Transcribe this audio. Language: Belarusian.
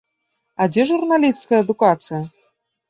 А дзе журналісцкая адукацыя?